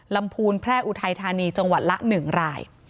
พูนแพร่อุทัยธานีจังหวัดละ๑ราย